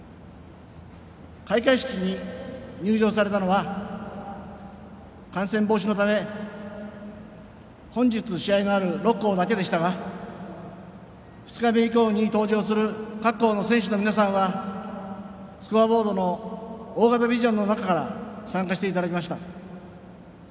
開会式に入場されたのは感染防止のため本日試合のある６校だけでしたが２日目以降に登場する選手の皆さんにはスコアボードの大型ビジョンの中から参加していただきました。